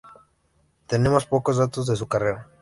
Tenemos pocos datos de su carrera.